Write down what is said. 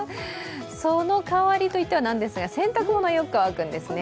その代わりといってはなんですが洗濯物、よく乾くんですね。